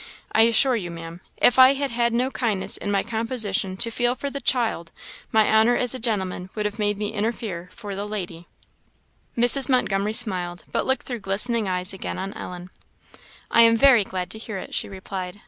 I assure you, Maam, if I had had no kindness in my composition to feel for the child, my honour as a gentleman would have made me interfere for the lady." Mrs. Montgomery smiled, but looked through glistening eyes again on Ellen. "I am very glad to hear it," she replied.